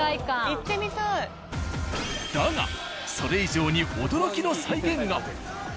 だがそれ以上に驚きの再現が。